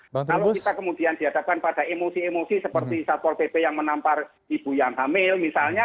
kalau kita kemudian dihadapkan pada emosi emosi seperti satpol pp yang menampar ibu yang hamil misalnya